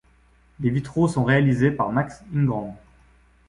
Les vitraux sont réalisés par Max Ingrand.